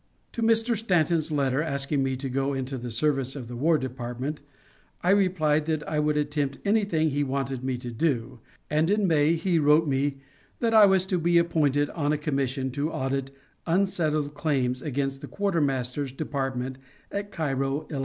To Mr. Stanton's letter asking me to go into the service of the War Department, I replied that I would attempt anything he wanted me to do, and in May he wrote me that I was to be appointed on a commission to audit unsettled claims against the quartermaster's department at Cairo, Ill.